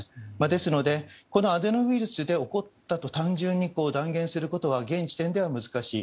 ですので、このアデノウイルスで起こったと単純に断定することは現時点では難しい。